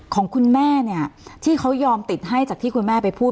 ของคุณแม่เนี่ยที่เขายอมติดให้จากที่คุณแม่ไปพูด